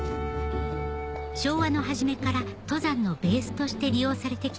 昭和の初めから登山のベースとして利用されてきた